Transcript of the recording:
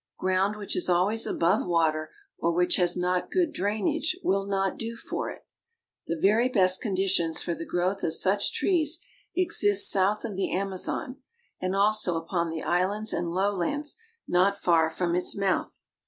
Ground which is always above water, or which has not good drainage, will not do for it. The very best conditions for the growth of such trees exist south of the Amazon, and also upon the islands and low lands not far from its mouth.